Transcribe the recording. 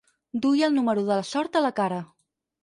Duia el número de la sort a la cara.